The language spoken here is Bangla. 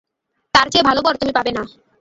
তার চেয়ে ভালো বর তুমি পাবে না।